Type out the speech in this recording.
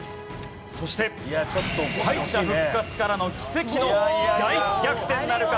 そして敗者復活からの奇跡の大逆転なるか？